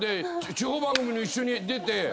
地方番組に一緒に出て。